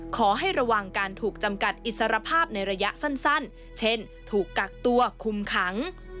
ขอให้ระวังการถูกจำกัดอิสรภาพในระยะสั้นเช่นถูกกักตัวคุมขัง